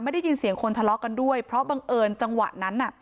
ได้ยินเสียงคนทะเลาะกันด้วยเพราะบังเอิญจังหวะนั้นน่ะ